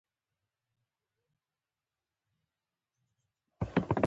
د ورمېږ له لندو تروشو بوی پورته شو.